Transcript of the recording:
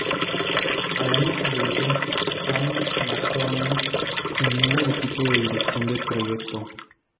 Al año siguiente, Shaun McCormick se unió al equipo de dirección del proyecto.